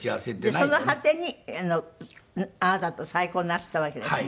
その果てにあなたと再婚なすったわけですもんね。